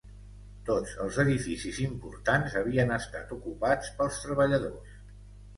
Tots els edificis importants havien estat ocupats pels treballadors